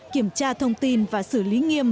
kiểm tra thông tin và xử lý nghiêm